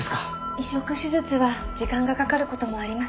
移植手術は時間がかかる事もありますから。